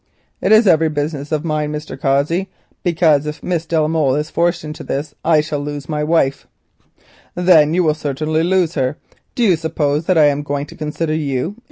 "It is every business of mine, Mr. Cossey, because if Miss de la Molle is forced into this marriage, I shall lose my wife." "Then you will certainly lose her. Do you suppose that I am going to consider you?